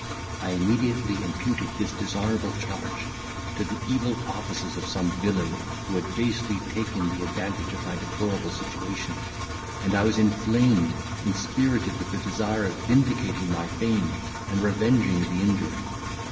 I immediately imputed this dishonourable charge to the evil offices of some villain, who had basely taken the advantage of my deplorable situation, and I was inflamed, inspirited with the desire of vindicating my fame, and revenging the injury.